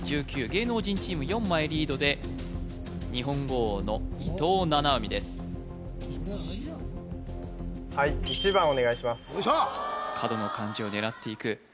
芸能人チーム４枚リードで日本語王の伊藤七海です角の漢字を狙っていく